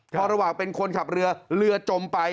พอระหว่างเป็นคนขับเรือเรือจมไป